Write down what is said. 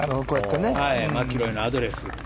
マキロイのアドレスって。